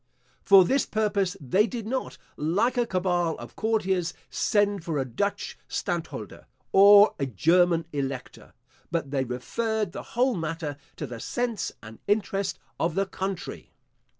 For this purpose they did not, like a cabal of courtiers, send for a Dutch Stadtholder, or a German Elector; but they referred the whole matter to the sense and interest of the country.